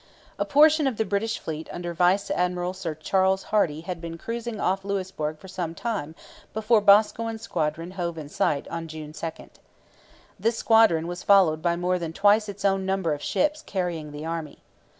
A portion of the British fleet under Vice Admiral Sir Charles Hardy had been cruising off Louisbourg for some time before Boscawen's squadron hove in sight on June 2. This squadron was followed by more than twice its own number of ships carrying the army.